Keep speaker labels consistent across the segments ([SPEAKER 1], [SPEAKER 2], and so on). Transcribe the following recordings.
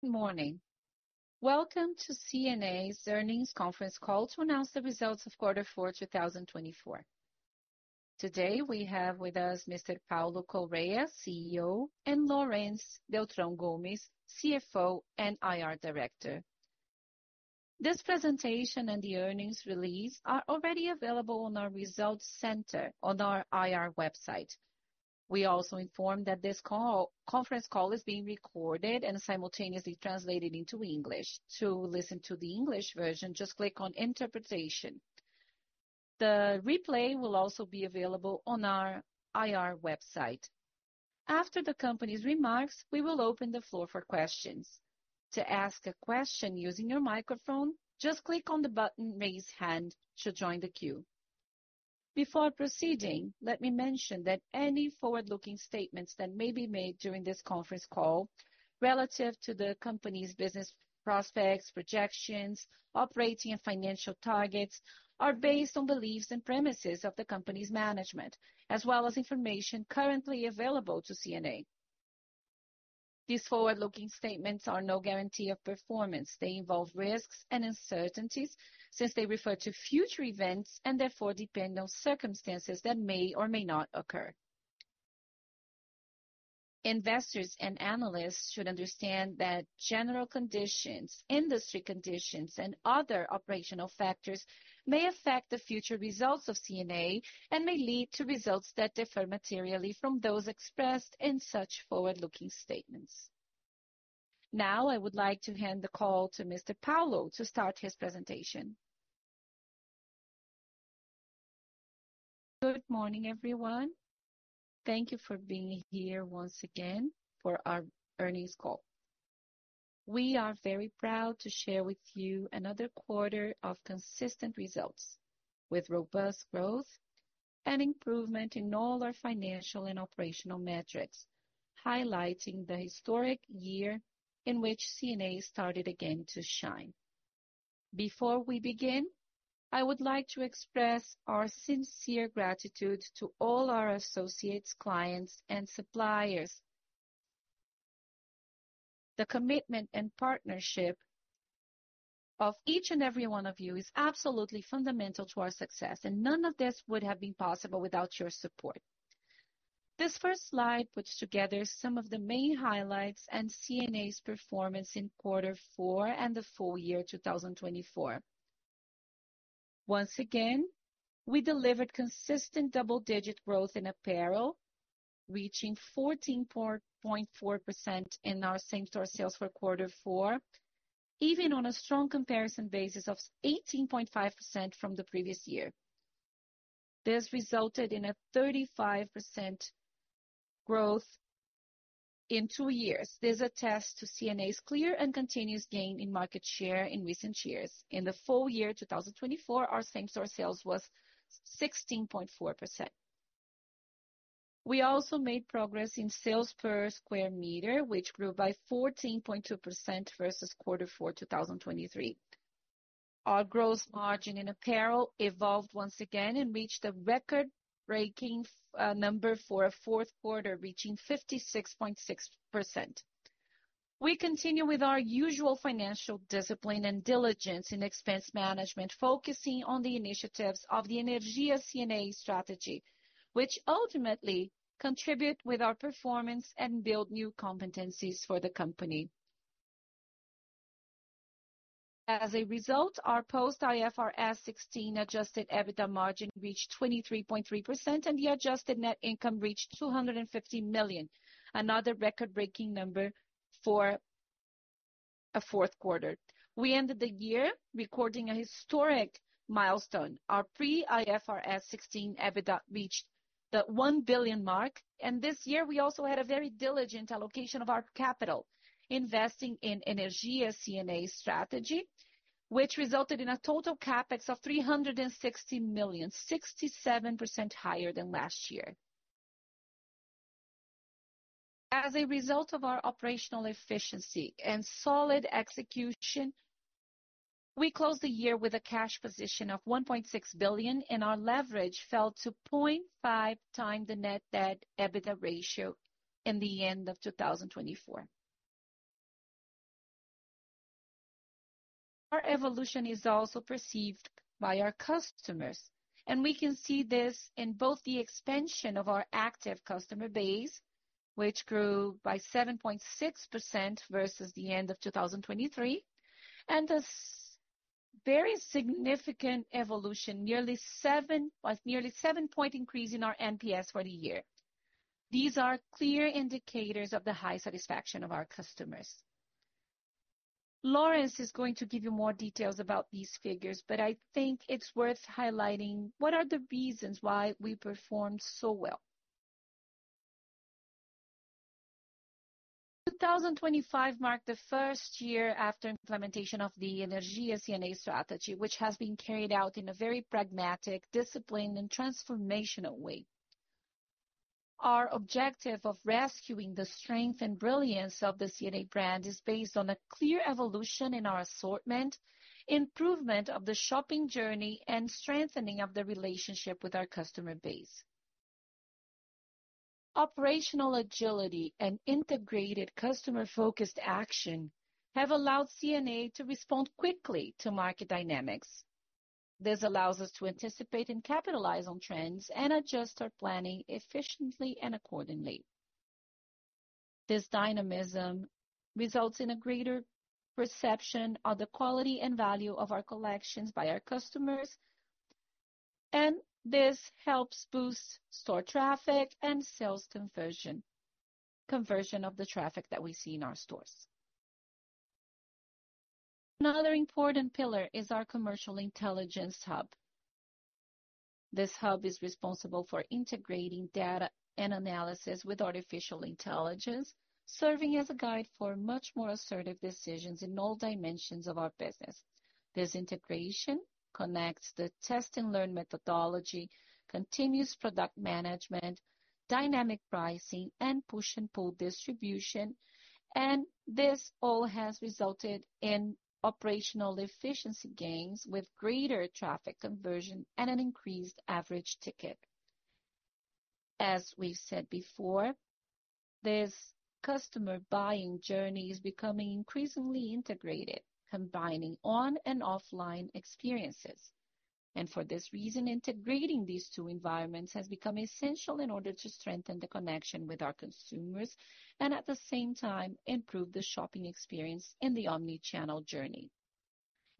[SPEAKER 1] Good morning. Welcome to C&A's Earnings Conference Call to announce the results of quarter 4, 2024. Today we have with us Mr. Paulo Correa, CEO, and Laurence Beltrão Gomes, CFO and IR Director. This presentation and the earnings release are already available on our Results Center on our IR website. We also inform that this conference call is being recorded and simultaneously translated into English. To listen to the English version, just click on Interpretation. The replay will also be available on our IR website. After the company's remarks, we will open the floor for questions. To ask a question using your microphone, just click on the button "Raise Hand" to join the queue. Before proceeding, let me mention that any forward-looking statements that may be made during this conference call relative to the company's business prospects, projections, operating, and financial targets are based on beliefs and premises of the company's management, as well as information currently available to C&A. These forward-looking statements are no guarantee of performance. They involve risks and uncertainties since they refer to future events and therefore depend on circumstances that may or may not occur. Investors and analysts should understand that general conditions, industry conditions, and other operational factors may affect the future results of C&A and may lead to results that differ materially from those expressed in such forward-looking statements. Now, I would like to hand the call to Mr. Paulo to start his presentation.
[SPEAKER 2] Good morning, everyone. Thank you for being here once again for our earnings call. We are very proud to share with you another quarter of consistent results with robust growth and improvement in all our financial and operational metrics, highlighting the historic year in which C&A started again to shine. Before we begin, I would like to express our sincere gratitude to all our associates, clients, and suppliers. The commitment and partnership of each and every one of you is absolutely fundamental to our success, and none of this would have been possible without your support. This first slide puts together some of the main highlights and C&A's performance in quarter 4 and the full year 2024. Once again, we delivered consistent double-digit growth in Apparel, reaching 14.4% in our same-store sales for quarter 4, even on a strong comparison basis of 18.5% from the previous year. This resulted in a 35% growth in two years. This attests to C&A's clear and continuous gain in market share in recent years. In the full year 2024, our same-store sales was 16.4%. We also made progress in sales per square meter, which grew by 14.2% versus quarter 4, 2023. Our gross margin in Apparel evolved once again and reached a record-breaking number for a fourth quarter, reaching 56.6%. We continue with our usual financial discipline and diligence in expense management, focusing on the initiatives of the Energia C&A strategy, which ultimately contribute to our performance and build new competencies for the company. As a result, our post-IFRS 16 adjusted EBITDA margin reached 23.3%, and the adjusted net income reached 250 million, another record-breaking number for a fourth quarter. We ended the year recording a historic milestone. Our pre-IFRS 16 EBITDA reached the 1 billion mark, and this year we also had a very diligent allocation of our capital investing in Energia C&A strategy, which resulted in a total CapEx of 360 million, 67% higher than last year. As a result of our operational efficiency and solid execution, we closed the year with a cash position of 1.6 billion, and our leverage fell to 0.5x the net debt/EBITDA ratio in the end of 2024. Our evolution is also perceived by our customers, and we can see this in both the expansion of our active customer base, which grew by 7.6% versus the end of 2023, and a very significant evolution, nearly a seven-point increase in our NPS for the year. These are clear indicators of the high satisfaction of our customers. Laurence is going to give you more details about these figures, but I think it's worth highlighting what are the reasons why we performed so well. 2025 marked the first year after implementation of the Energia C&A strategy, which has been carried out in a very pragmatic, disciplined, and transformational way. Our objective of rescuing the strength and brilliance of the C&A brand is based on a clear evolution in our assortment, improvement of the shopping journey, and strengthening of the relationship with our customer base. Operational agility and integrated customer-focused action have allowed C&A to respond quickly to market dynamics. This allows us to anticipate and capitalize on trends and adjust our planning efficiently and accordingly. This dynamism results in a greater perception of the quality and value of our collections by our customers, and this helps boost store traffic and sales conversion of the traffic that we see in our stores. Another important pillar is our Commercial Intelligence Hub. This hub is responsible for integrating data and analysis with artificial intelligence, serving as a guide for much more assertive decisions in all dimensions of our business. This integration connects the test-and-learn methodology, continuous product management, dynamic pricing, and push-and-pull distribution, and this all has resulted in operational efficiency gains with greater traffic conversion and an increased average ticket. As we've said before, this customer buying journey is becoming increasingly integrated, combining online and offline experiences. For this reason, integrating these two environments has become essential in order to strengthen the connection with our consumers and at the same time improve the shopping experience in the omnichannel journey.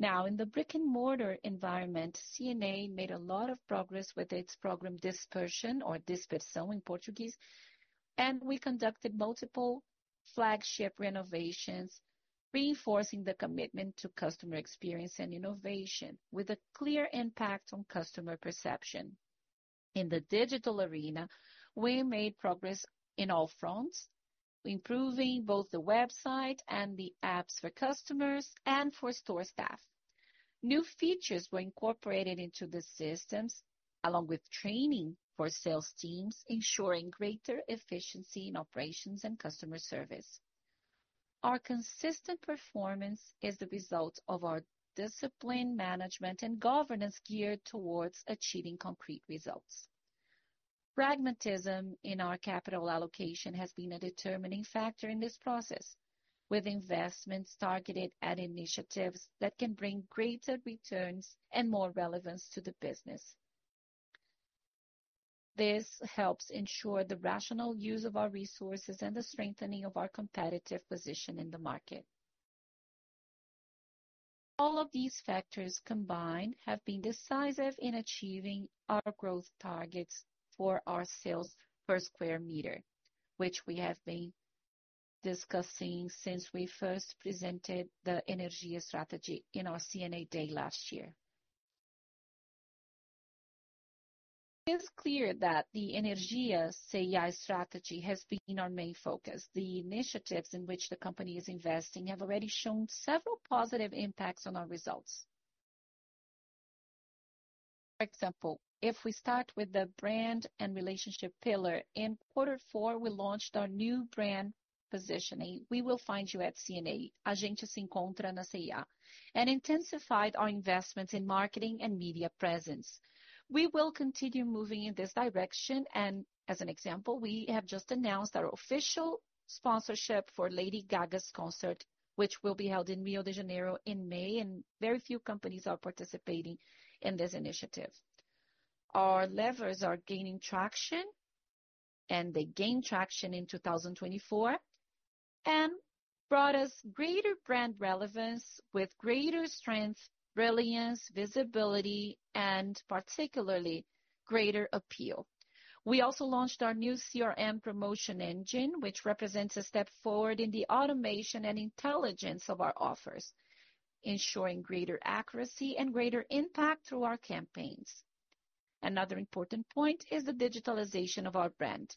[SPEAKER 2] Now, in the brick-and-mortar environment, C&A made a lot of progress with its program Dispersion, or Dispersão in Portuguese, and we conducted multiple flagship renovations, reinforcing the commitment to customer experience and innovation with a clear impact on customer perception. In the digital arena, we made progress in all fronts, improving both the website and the apps for customers and for store staff. New features were incorporated into the systems, along with training for sales teams, ensuring greater efficiency in operations and customer service. Our consistent performance is the result of our discipline, management, and governance geared towards achieving concrete results. Pragmatism in our capital allocation has been a determining factor in this process, with investments targeted at initiatives that can bring greater returns and more relevance to the business. This helps ensure the rational use of our resources and the strengthening of our competitive position in the market. All of these factors combined have been decisive in achieving our growth targets for our sales per square meter, which we have been discussing since we first presented the Energia strategy in our C&A Day last year. It is clear that the Energia C&A strategy has been our main focus. The initiatives in which the company is investing have already shown several positive impacts on our results. For example, if we start with the brand and relationship pillar, in quarter 4, we launched our new brand positioning, "We Will Find You at C&A," "A gente se encontra na C&A," and intensified our investments in marketing and media presence. We will continue moving in this direction, and as an example, we have just announced our official sponsorship for Lady Gaga's concert, which will be held in Rio de Janeiro in May, and very few companies are participating in this initiative. Our levers are gaining traction, and they gained traction in 2024 and brought us greater brand relevance with greater strength, brilliance, visibility, and particularly greater appeal. We also launched our new CRM promotion engine, which represents a step forward in the automation and intelligence of our offers, ensuring greater accuracy and greater impact through our campaigns. Another important point is the digitalization of our brand.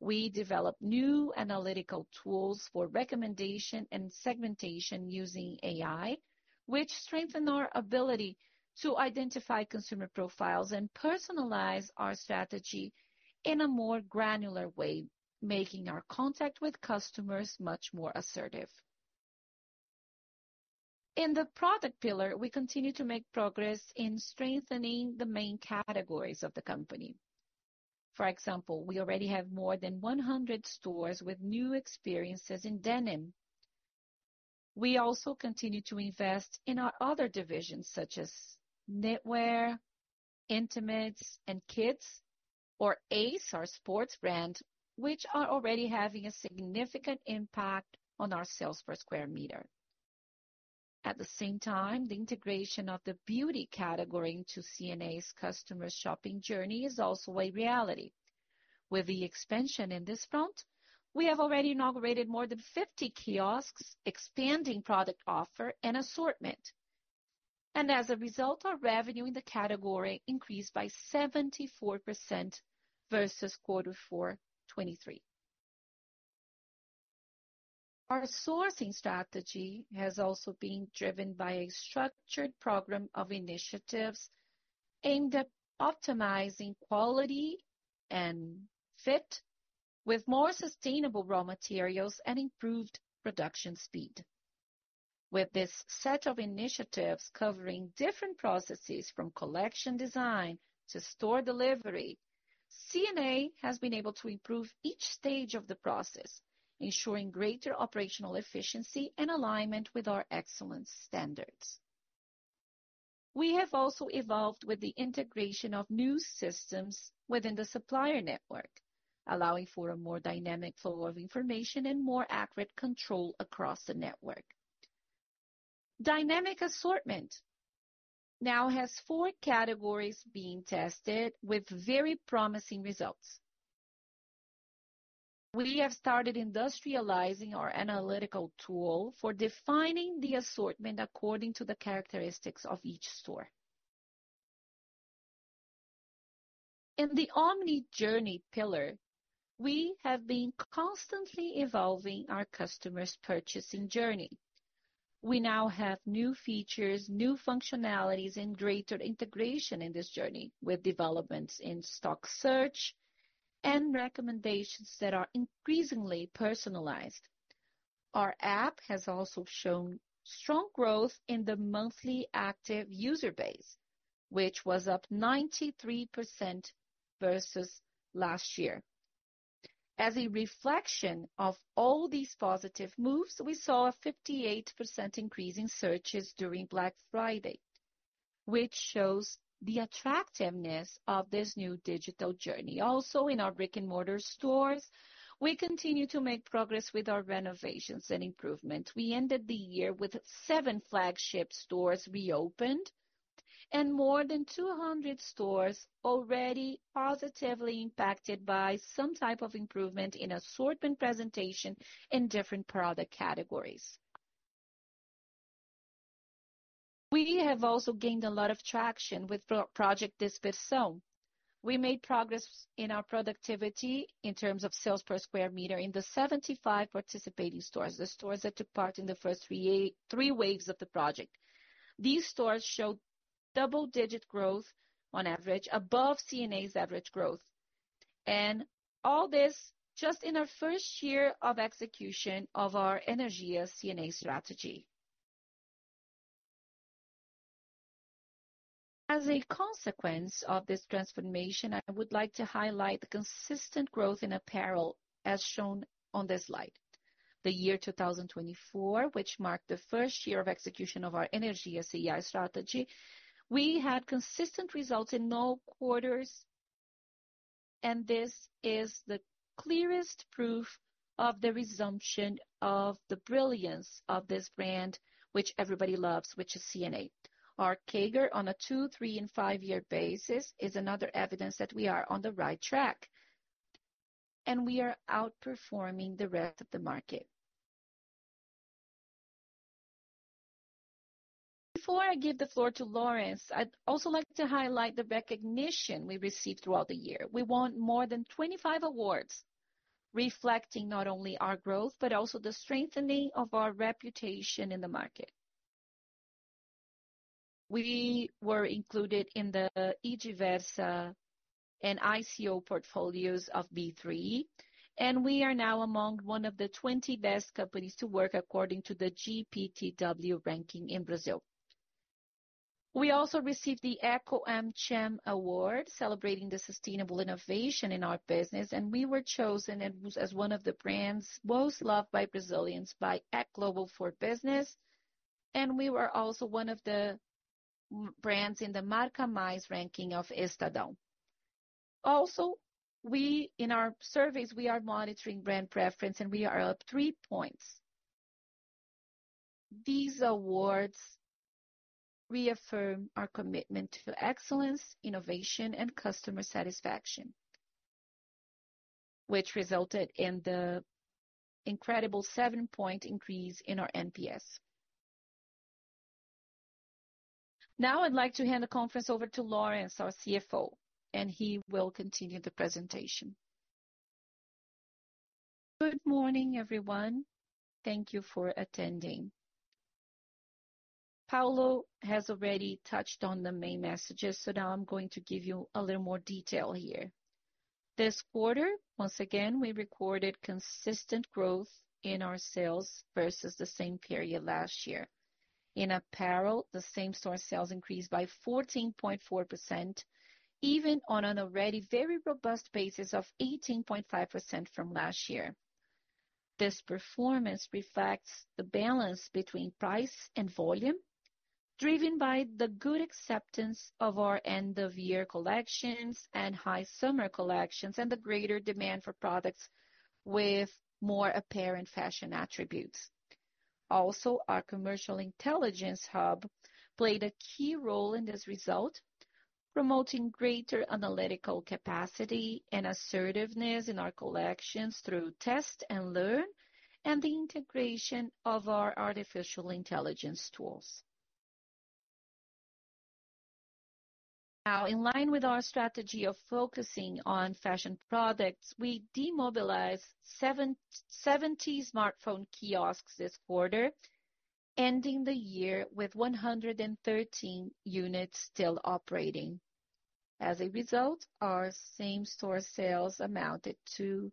[SPEAKER 2] We developed new analytical tools for recommendation and segmentation using AI, which strengthen our ability to identify consumer profiles and personalize our strategy in a more granular way, making our contact with customers much more assertive. In the product pillar, we continue to make progress in strengthening the main categories of the company. For example, we already have more than 100 stores with new experiences in denim. We also continue to invest in our other divisions, such as knitwear, intimates, and kids, or ACE, our sports brand, which are already having a significant impact on our sales per square meter. At the same time, the integration of the beauty category into C&A's customer shopping journey is also a reality. With the expansion in this front, we have already inaugurated more than 50 kiosks, expanding product offer and assortment. And as a result, our revenue in the category increased by 74% versus quarter 4, 2023. Our sourcing strategy has also been driven by a structured program of initiatives aimed at optimizing quality and fit with more sustainable raw materials and improved production speed. With this set of initiatives covering different processes from collection design to store delivery, C&A has been able to improve each stage of the process, ensuring greater operational efficiency and alignment with our excellence standards. We have also evolved with the integration of new systems within the supplier network, allowing for a more dynamic flow of information and more accurate control across the network. Dynamic assortment now has four categories being tested with very promising results. We have started industrializing our analytical tool for defining the assortment according to the characteristics of each store. In the omni journey pillar, we have been constantly evolving our customers' purchasing journey. We now have new features, new functionalities, and greater integration in this journey with developments in stock search and recommendations that are increasingly personalized. Our app has also shown strong growth in the monthly active user base, which was up 93% versus last year. As a reflection of all these positive moves, we saw a 58% increase in searches during Black Friday, which shows the attractiveness of this new digital journey. Also, in our brick-and-mortar stores, we continue to make progress with our renovations and improvement. We ended the year with seven flagship stores reopened and more than 200 stores already positively impacted by some type of improvement in assortment presentation in different product categories. We have also gained a lot of traction with Project Dispersion. We made progress in our productivity in terms of sales per square meter in the 75 participating stores, the stores that took part in the first three waves of the project. These stores showed double-digit growth on average, above C&A's average growth, and all this just in our first year of execution of our Energia C&A strategy. As a consequence of this transformation, I would like to highlight the consistent growth in Apparel as shown on this slide. The year 2024, which marked the first year of execution of our Energia C&A strategy, we had consistent results in all quarters, and this is the clearest proof of the resumption of the brilliance of this brand, which everybody loves, which is C&A. Our CAGR on a two, three, and five-year basis is another evidence that we are on the right track, and we are outperforming the rest of the market. Before I give the floor to Laurence, I'd also like to highlight the recognition we received throughout the year. We won more than 25 awards, reflecting not only our growth, but also the strengthening of our reputation in the market. We were included in the IDIVERSA and ICO2 portfolios of B3, and we are now among one of the 20 Best Companies to Work according to the GPTW ranking in Brazil. We also received the Eco AmCham Award, celebrating the sustainable innovation in our business, and we were chosen as one of the brands most loved by Brazilians by Ecglobal for Business, and we were also one of the brands in the Marcas Mais ranking of Estadão. Also, in our surveys, we are monitoring brand preference, and we are up three points. These awards reaffirm our commitment to excellence, innovation, and customer satisfaction, which resulted in the incredible seven-point increase in our NPS. Now, I'd like to hand the conference over to Laurence, our CFO, and he will continue the presentation.
[SPEAKER 3] Good morning, everyone. Thank you for attending. Paulo has already touched on the main messages, so now I'm going to give you a little more detail here. This quarter, once again, we recorded consistent growth in our sales versus the same period last year. In Apparel, the same-store sales increased by 14.4%, even on an already very robust basis of 18.5% from last year. This performance reflects the balance between price and volume, driven by the good acceptance of our end-of-year collections and high summer collections and the greater demand for products with more apparent fashion attributes. Also, our Commercial Intelligence Hub played a key role in this result, promoting greater analytical capacity and assertiveness in our collections through test-and-learn and the integration of our artificial intelligence tools. Now, in line with our strategy of focusing on fashion products, we demobilized 70 smartphone kiosks this quarter, ending the year with 113 units still operating. As a result, our same-store sales amounted to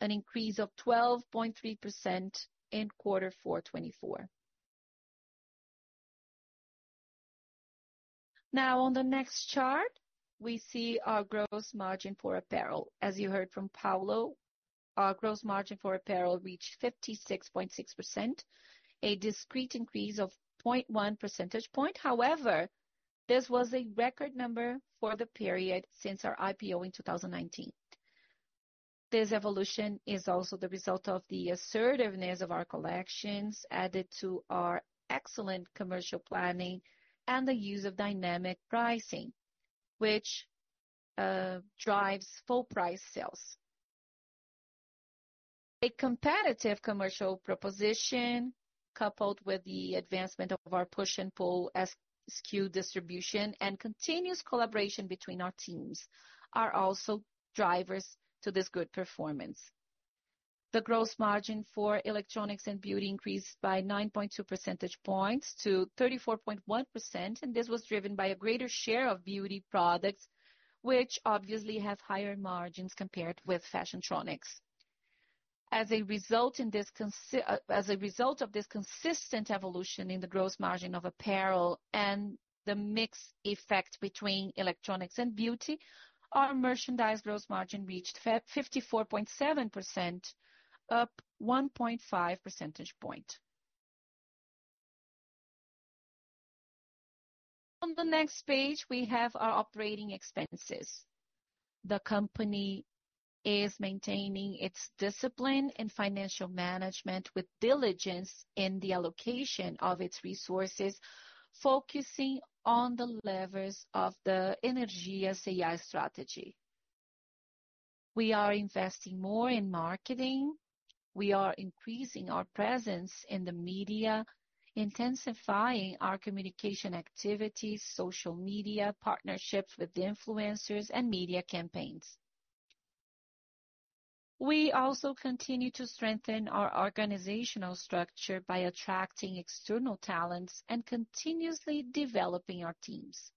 [SPEAKER 3] an increase of 12.3% in quarter 4, 2024. Now, on the next chart, we see our gross margin for Apparel. As you heard from Paulo, our gross margin for Apparel reached 56.6%, a discreet increase of 0.1 percentage point. However, this was a record number for the period since our IPO in 2019. This evolution is also the result of the assertiveness of our collections added to our excellent commercial planning and the use of dynamic pricing, which drives full-price sales. A competitive commercial proposition, coupled with the advancement of our push-and-pull SKU distribution and continuous collaboration between our teams, are also drivers to this good performance. The gross margin for electronics and beauty increased by 9.2 percentage points to 34.1%, and this was driven by a greater share of beauty products, which obviously have higher margins compared with Fashiontronics. As a result of this consistent evolution in the gross margin of Apparel and the mixed effect between electronics and beauty, our merchandise gross margin reached 54.7%, up 1.5 percentage point. On the next page, we have our operating expenses. The company is maintaining its discipline and financial management with diligence in the allocation of its resources, focusing on the levers of the Energia C&A strategy. We are investing more in marketing. We are increasing our presence in the media, intensifying our communication activities, social media partnerships with influencers, and media campaigns. We also continue to strengthen our organizational structure by attracting external talents and continuously developing our teams.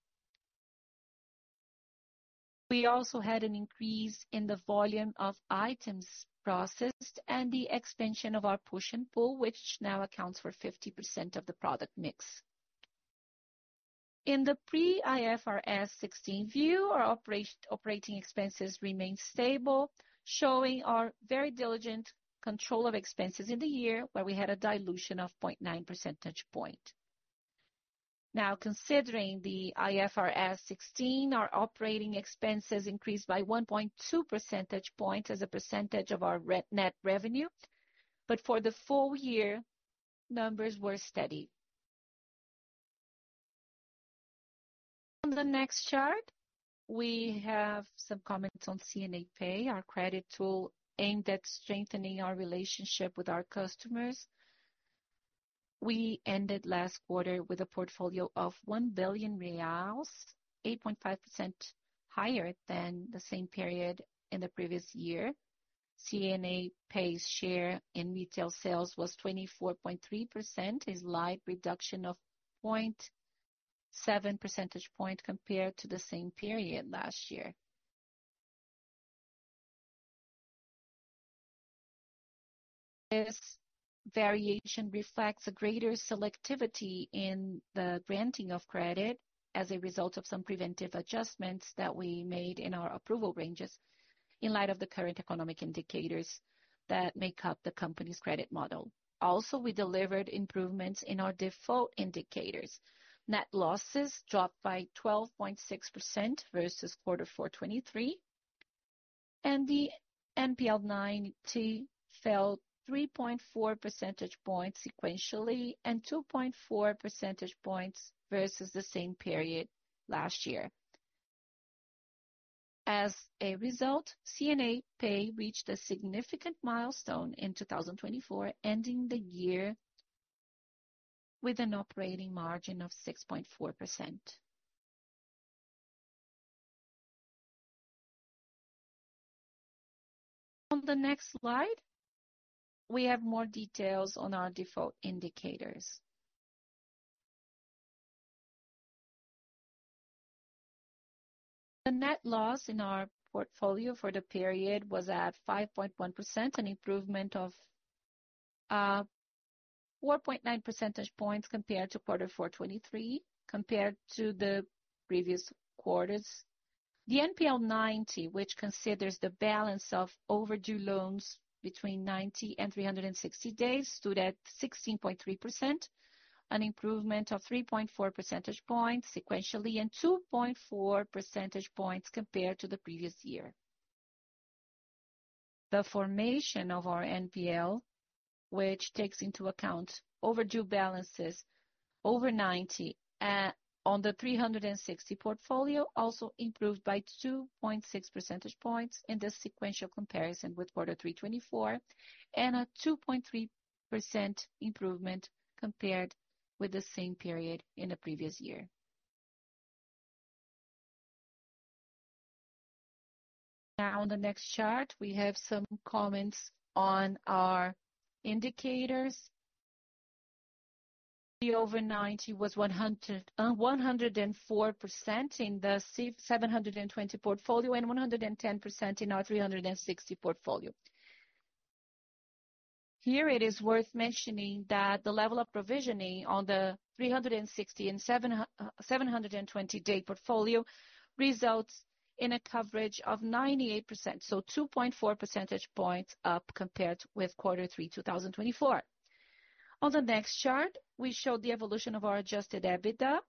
[SPEAKER 3] We also had an increase in the volume of items processed and the expansion of our push-and-pull, which now accounts for 50% of the product mix. In the pre-IFRS 16 view, our operating expenses remain stable, showing our very diligent control of expenses in the year, where we had a dilution of 0.9 percentage point. Now, considering the IFRS 16, our operating expenses increased by 1.2 percentage points as a percentage of our net revenue, but for the full year, numbers were steady. On the next chart, we have some comments on C&A Pay, our credit tool aimed at strengthening our relationship with our customers. We ended last quarter with a portfolio of 1 billion reais, 8.5% higher than the same period in the previous year. C&A Pay's share in retail sales was 24.3%, a slight reduction of 0.7 percentage point compared to the same period last year. This variation reflects a greater selectivity in the granting of credit as a result of some preventive adjustments that we made in our approval ranges in light of the current economic indicators that make up the company's credit model. Also, we delivered improvements in our default indicators. Net losses dropped by 12.6% versus quarter 4, 2023, and the NPL 90 fell 3.4 percentage points sequentially and 2.4 percentage points versus the same period last year. As a result, C&A Pay reached a significant milestone in 2024, ending the year with an operating margin of 6.4%. On the next slide, we have more details on our default indicators. The net loss in our portfolio for the period was at 5.1%, an improvement of 4.9 percentage points compared to quarter 4, 2023, compared to the previous quarters. The NPL 90, which considers the balance of overdue loans between 90 and 360 days, stood at 16.3%, an improvement of 3.4 percentage points sequentially and 2.4 percentage points compared to the previous year. The formation of our NPL, which takes into account overdue balances over 90 on the 360 portfolio, also improved by 2.6 percentage points in the sequential comparison with quarter 3, 2024, and a 2.3% improvement compared with the same period in the previous year. Now, on the next chart, we have some comments on our indicators. The over 90 was 104% in the 720 portfolio and 110% in our 360 portfolio. Here, it is worth mentioning that the level of provisioning on the 360 and 720-day portfolio results in a coverage of 98%, so 2.4 percentage points up compared with quarter 3, 2024. On the next chart, we showed the evolution of our adjusted EBITDA.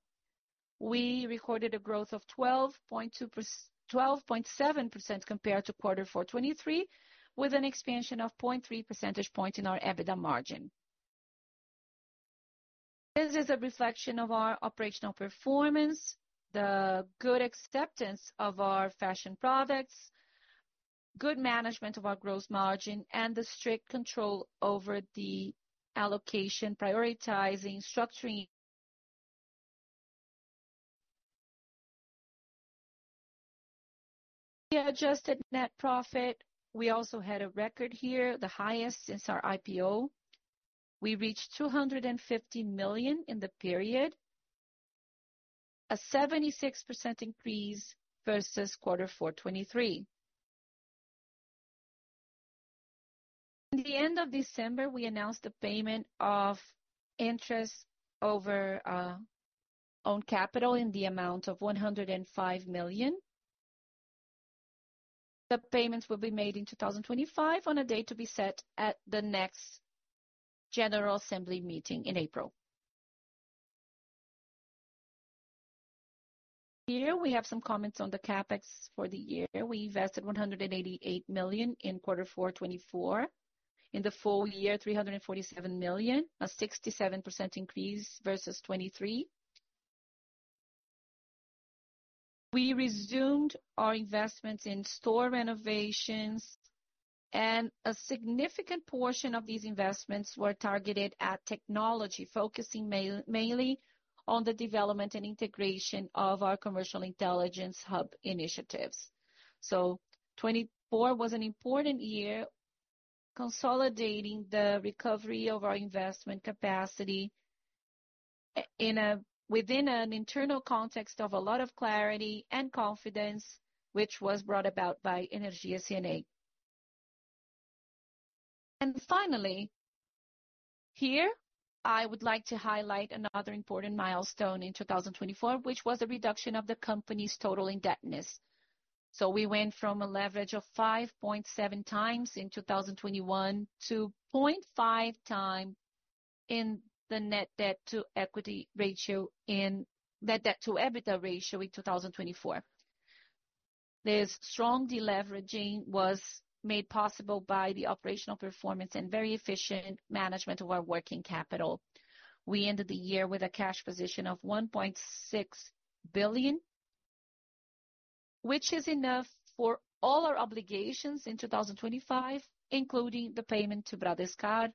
[SPEAKER 3] We recorded a growth of 12.7% compared to quarter 4, 2023, with an expansion of 0.3 percentage points in our EBITDA margin. This is a reflection of our operational performance, the good acceptance of our fashion products, good management of our gross margin, and the strict control over the allocation, prioritizing, structuring. The adjusted net profit, we also had a record here, the highest since our IPO. We reached 250 million in the period, a 76% increase versus quarter 4, 2023. At the end of December, we announced the payment of interest over own capital in the amount of 105 million. The payments will be made in 2025 on a date to be set at the next General Assembly meeting in April. Here, we have some comments on the CapEx for the year. We invested 188 million in quarter 4 2024, in the full year, 347 million, a 67% increase versus 2023. We resumed our investments in store renovations, and a significant portion of these investments were targeted at technology, focusing mainly on the development and integration of our Commercial Intelligence Hub initiatives. So, 2024 was an important year consolidating the recovery of our investment capacity within an internal context of a lot of clarity and confidence, which was brought about by Energia C&A. And finally, here, I would like to highlight another important milestone in 2024, which was the reduction of the company's total indebtedness. So, we went from a leverage of 5.7x in 2021 to 0.5x in the net debt-to-equity ratio in net debt-to-EBITDA ratio in 2024. This strong deleveraging was made possible by the operational performance and very efficient management of our working capital. We ended the year with a cash position of 1.6 billion, which is enough for all our obligations in 2025, including the payment to Bradescard,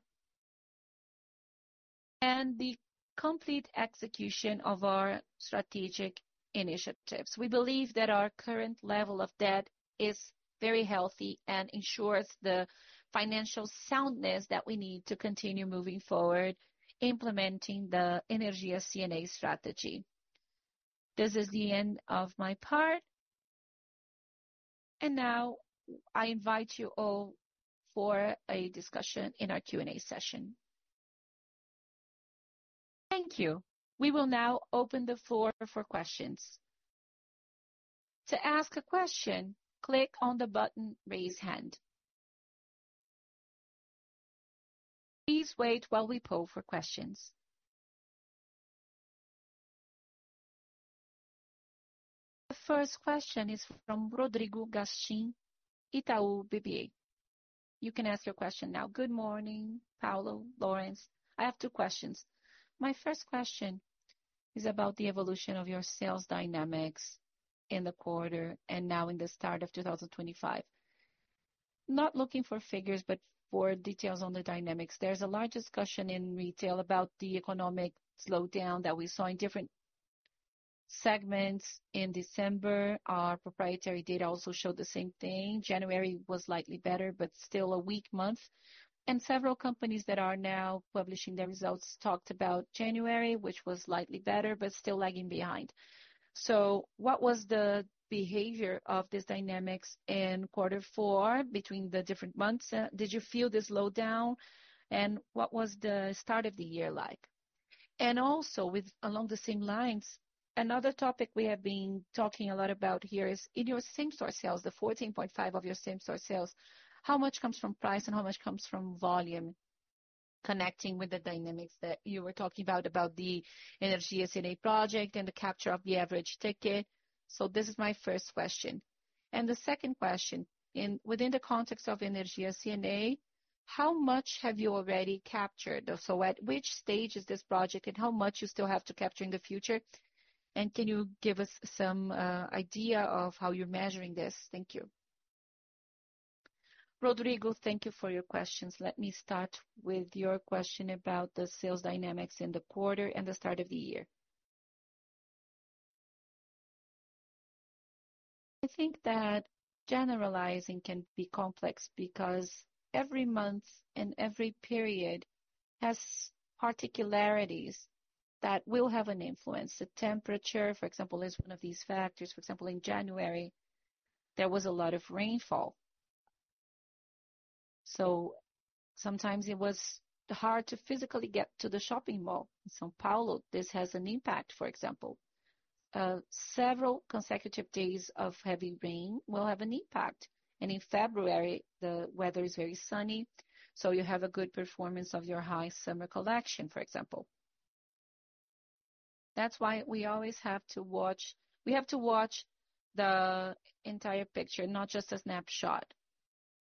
[SPEAKER 3] and the complete execution of our strategic initiatives. We believe that our current level of debt is very healthy and ensures the financial soundness that we need to continue moving forward, implementing the Energia C&A strategy. This is the end of my part. And now, I invite you all for a discussion in our Q&A session.
[SPEAKER 1] Thank you. We will now open the floor for questions. To ask a question, click on the button "Raise Hand." Please wait while we poll for questions. The first question is from Rodrigo Gastim, Itaú BBA. You can ask your question now.
[SPEAKER 4] Good morning, Paulo, Laurence. I have two questions. My first question is about the evolution of your sales dynamics in the quarter and now in the start of 2025. Not looking for figures, but for details on the dynamics. There's a large discussion in retail about the economic slowdown that we saw in different segments in December. Our proprietary data also showed the same thing. January was slightly better, but still a weak month. Several companies that are now publishing their results talked about January, which was slightly better, but still lagging behind. So, what was the behavior of this dynamics in quarter 4 between the different months? Did you feel this slowdown? What was the start of the year like? And also, along the same lines, another topic we have been talking a lot about here is in your same-store sales, the 14.5% of your same-store sales, how much comes from price and how much comes from volume connecting with the dynamics that you were talking about, about the Energia C&A project and the capture of the average ticket? So, this is my first question. And the second question, within the context of Energia C&A, how much have you already captured? So, at which stage is this project and how much do you still have to capture in the future? And can you give us some idea of how you're measuring this? Thank you.
[SPEAKER 3] Rodrigo, thank you for your questions. Let me start with your question about the sales dynamics in the quarter and the start of the year. I think that generalizing can be complex because every month and every period has particularities that will have an influence. The temperature, for example, is one of these factors. For example, in January, there was a lot of rainfall. So, sometimes it was hard to physically get to the shopping mall. São Paulo, this has an impact, for example. Several consecutive days of heavy rain will have an impact. And in February, the weather is very sunny, so you have a good performance of your high summer collection, for example. That's why we always have to watch. We have to watch the entire picture, not just a snapshot,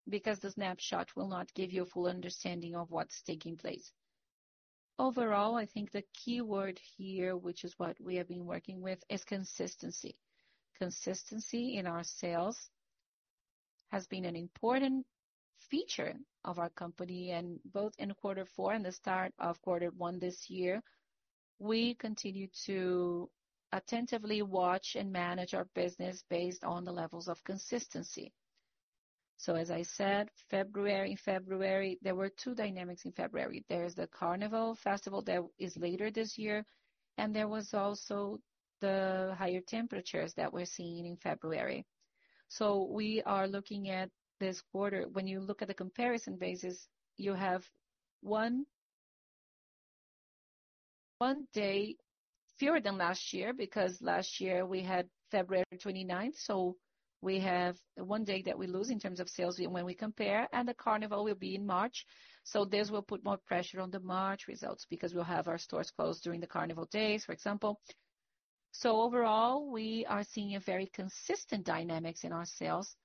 [SPEAKER 3] because the snapshot will not give you a full understanding of what's taking place. Overall, I think the key word here, which is what we have been working with, is consistency. Consistency in our sales has been an important feature of our company. And both in quarter 4 and the start of quarter 1 this year, we continue to attentively watch and manage our business based on the levels of consistency. So, as I said, February, there were two dynamics in February. There's the Carnival Festival that is later this year, and there was also the higher temperatures that we're seeing in February. So, we are looking at this quarter. When you look at the comparison basis, you have one day fewer than last year because last year we had February 29th. So, we have one day that we lose in terms of sales when we compare, and the Carnival will be in March. So, this will put more pressure on the March results because we'll have our stores closed during the Carnival days, for example. Overall, we are seeing very consistent dynamics in our sales.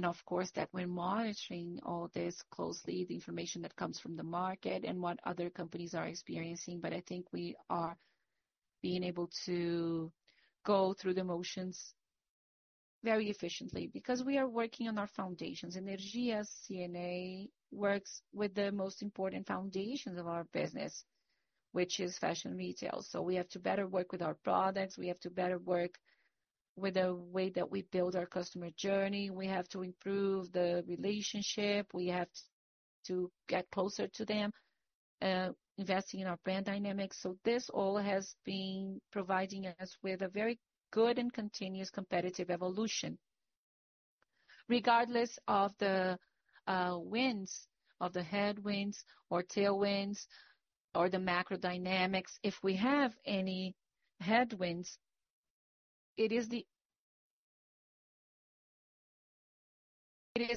[SPEAKER 3] Of course, that we're monitoring all this closely, the information that comes from the market and what other companies are experiencing. I think we are being able to go through the motions very efficiently because we are working on our foundations. Energia C&A works with the most important foundations of our business, which is fashion retail. We have to better work with our products. We have to better work with the way that we build our customer journey. We have to improve the relationship. We have to get closer to them, investing in our brand dynamics. This all has been providing us with a very good and continuous competitive evolution. Regardless of the winds, of the headwinds or tailwinds or the macro dynamics, if we have any headwinds, it is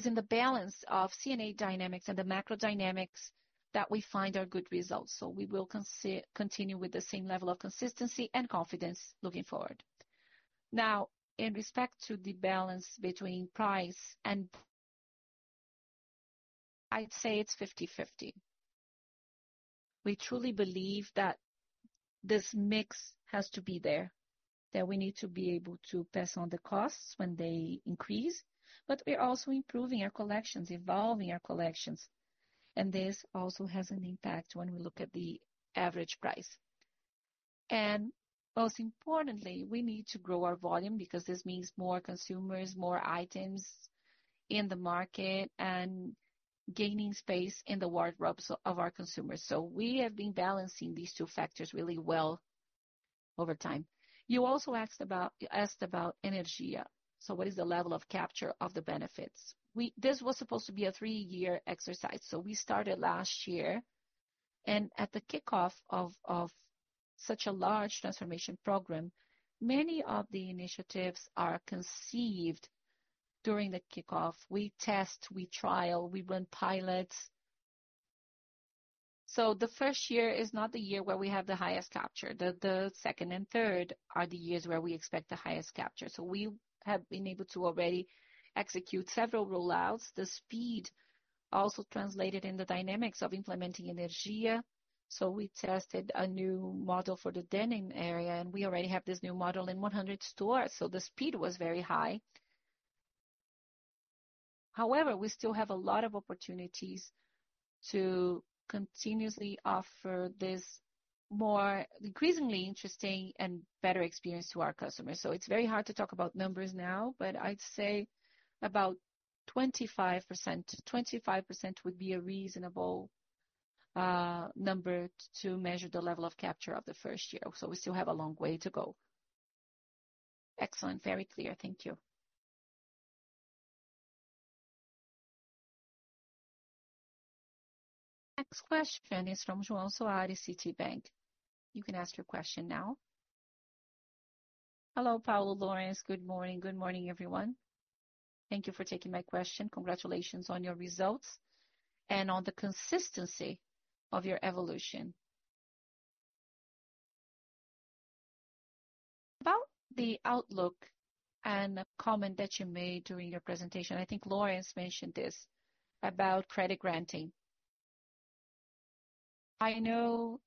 [SPEAKER 3] in the balance of C&A dynamics and the macro dynamics that we find our good results. So, we will continue with the same level of consistency and confidence looking forward. Now, in respect to the balance between price, and I'd say it's 50-50. We truly believe that this mix has to be there, that we need to be able to pass on the costs when they increase. But we're also improving our collections, evolving our collections. And this also has an impact when we look at the average price. And most importantly, we need to grow our volume because this means more consumers, more items in the market, and gaining space in the wardrobes of our consumers. So, we have been balancing these two factors really well over time. You also asked about Energia, so what is the level of capture of the benefits? This was supposed to be a three-year exercise, so we started last year, and at the kickoff of such a large transformation program, many of the initiatives are conceived during the kickoff. We test, we trial, we run pilots, so the first year is not the year where we have the highest capture. The second and third are the years where we expect the highest capture, so we have been able to already execute several rollouts. The speed also translated in the dynamics of implementing Energia, so we tested a new model for the denim area, and we already have this new model in 100 stores, so the speed was very high. However, we still have a lot of opportunities to continuously offer this more increasingly interesting and better experience to our customers. It's very hard to talk about numbers now, but I'd say about 25%. 25% would be a reasonable number to measure the level of capture of the first year. So, we still have a long way to go.
[SPEAKER 4] Excellent. Very clear. Thank you.
[SPEAKER 1] Next question is from João Soares of Citi. You can ask your question now.
[SPEAKER 5] Hello, Paulo, Laurence. Good morning. Good morning, everyone. Thank you for taking my question. Congratulations on your results and on the consistency of your evolution. About the outlook and the comment that you made during your presentation, I think Laurence mentioned this about credit granting. I know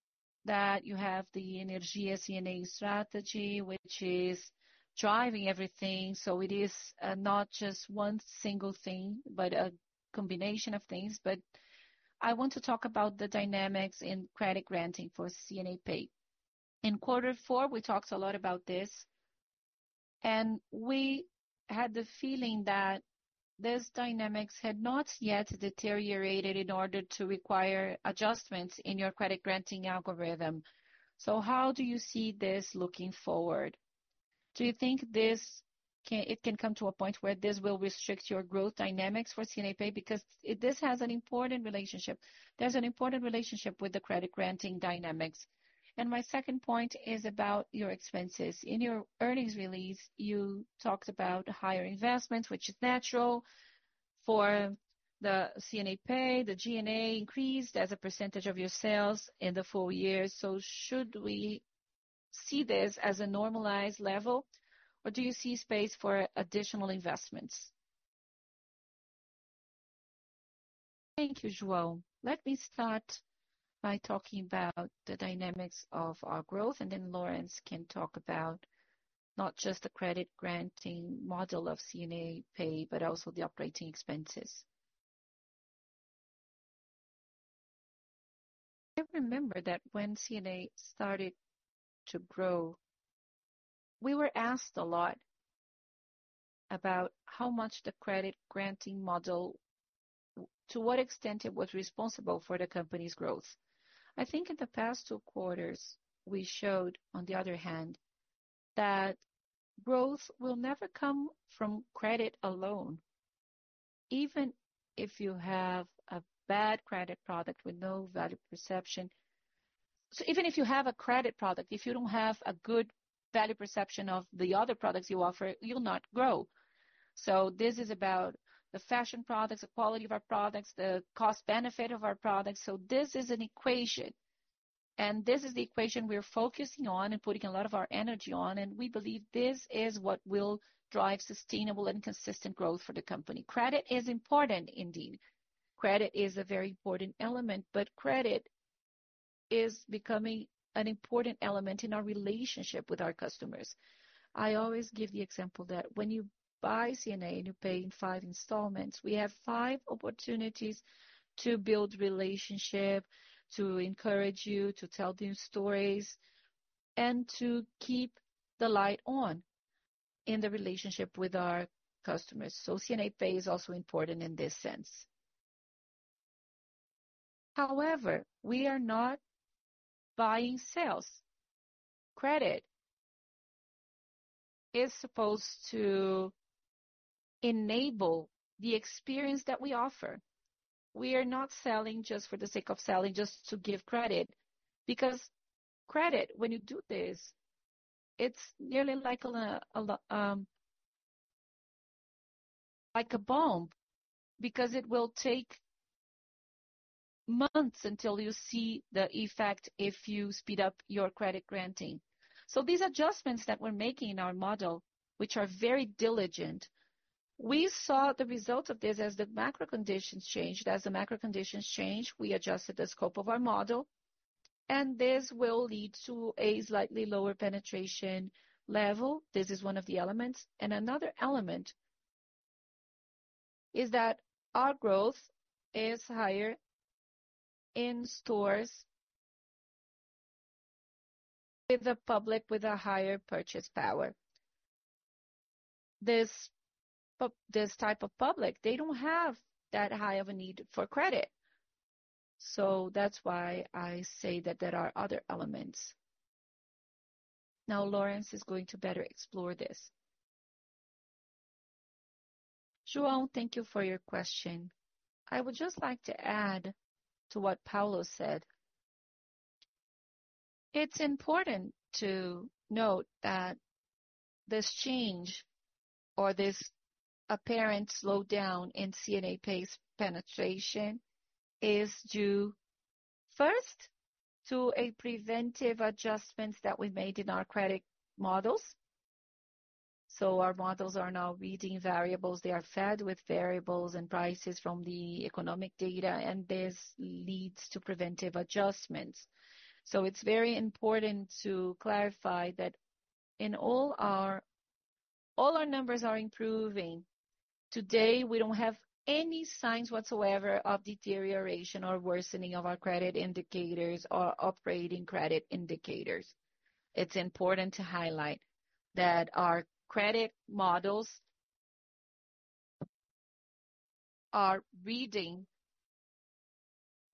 [SPEAKER 5] that you have the Energia C&A strategy, which is driving everything. So, it is not just one single thing, but a combination of things. But I want to talk about the dynamics in credit granting for C&A Pay. In quarter 4, we talked a lot about this, and we had the feeling that these dynamics had not yet deteriorated in order to require adjustments in your credit granting algorithm. So, how do you see this looking forward? Do you think it can come to a point where this will restrict your growth dynamics for C&A Pay? Because this has an important relationship. There's an important relationship with the credit granting dynamics. And my second point is about your expenses. In your earnings release, you talked about higher investments, which is natural. For the C&A Pay, the G&A increased as a percentage of your sales in the full year. So, should we see this as a normalized level, or do you see space for additional investments?
[SPEAKER 2] Thank you, João. Let me start by talking about the dynamics of our growth, and then Laurence can talk about not just the credit granting model of C&A Pay, but also the operating expenses. I remember that when C&A started to grow, we were asked a lot about how much the credit granting model, to what extent it was responsible for the company's growth. I think in the past two quarters, we showed, on the other hand, that growth will never come from credit alone, even if you have a bad credit product with no value perception. So, even if you have a credit product, if you don't have a good value perception of the other products you offer, you'll not grow. So, this is about the fashion products, the quality of our products, the cost-benefit of our products. This is an equation, and this is the equation we're focusing on and putting a lot of our energy on. And we believe this is what will drive sustainable and consistent growth for the company. Credit is important, indeed. Credit is a very important element, but credit is becoming an important element in our relationship with our customers. I always give the example that when you buy C&A and you pay in five installments, we have five opportunities to build relationship, to encourage you to tell new stories, and to keep the light on in the relationship with our customers. So, C&A Pay is also important in this sense. However, we are not buying sales. Credit is supposed to enable the experience that we offer. We are not selling just for the sake of selling, just to give credit. Because credit, when you do this, it's nearly like a bomb because it will take months until you see the effect if you speed up your credit granting. So, these adjustments that we're making in our model, which are very diligent, we saw the result of this as the macro conditions changed. As the macro conditions changed, we adjusted the scope of our model, and this will lead to a slightly lower penetration level. This is one of the elements. And another element is that our growth is higher in stores with a public with a higher purchasing power. This type of public, they don't have that high of a need for credit. So, that's why I say that there are other elements. Now, Laurence is going to better explore this.
[SPEAKER 3] João, thank you for your question. I would just like to add to what Paulo said. It's important to note that this change or this apparent slowdown in C&A Pay's penetration is due first to preventive adjustments that we made in our credit models. So, our models are now reading variables. They are fed with variables and prices from the economic data, and this leads to preventive adjustments. So, it's very important to clarify that in all our numbers are improving. Today, we don't have any signs whatsoever of deterioration or worsening of our credit indicators or operating credit indicators. It's important to highlight that our credit models are reading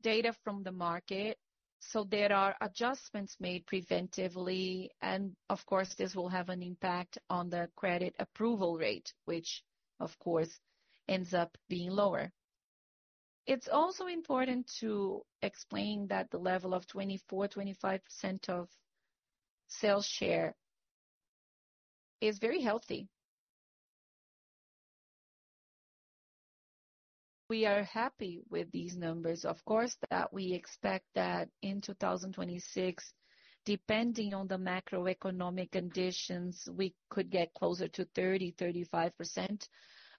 [SPEAKER 3] data from the market. So, there are adjustments made preventively, and of course, this will have an impact on the credit approval rate, which of course ends up being lower. It's also important to explain that the level of 24%-25% of sales share is very healthy. We are happy with these numbers, of course, that we expect that in 2026, depending on the macroeconomic conditions, we could get closer to 30%-35%.